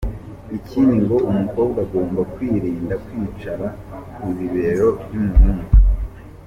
Ikindi ngo umukobwa agomba kwirinda kwicara ku bibero by’umuhungu.